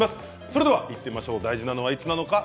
それではいってみましょう大事なのはいつなのか。